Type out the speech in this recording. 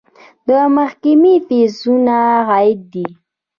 د محکمې فیسونه عاید دی